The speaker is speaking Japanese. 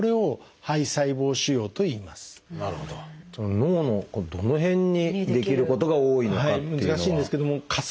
脳のどの辺に出来ることが多いのかっていうのは？